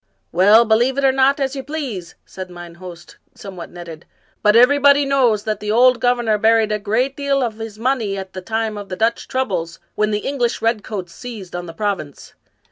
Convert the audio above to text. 172 Washington Irving " Well, you may believe it or not, as you please," said mine host, somewhat nettled, " but everybody knows that the old governor buried a great deal of his money at the time of the Dutch troubles, when the English redcoats seized on the province.